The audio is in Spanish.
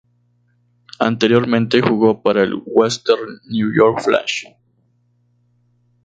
Anteriormente jugó para el Western New York Flash.